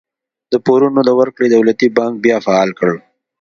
د پورونو د ورکړې دولتي بانک بیا فعال کړ.